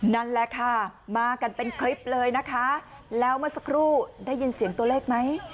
นั่นแหละค่ะมากันเป็นคลิปเลยนะคะแล้วเมื่อสักครู่ได้ยินเสียงตัวเลขไหม